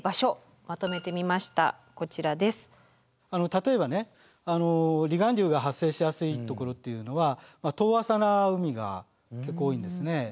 例えばね離岸流が発生しやすい所っていうのは遠浅な海が結構多いんですね。